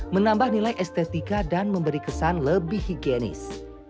menambah nilai estetika dan memberi kesan lebih higienis